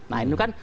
nah ini kan